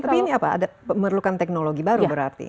tapi ini apa ada memerlukan teknologi baru berarti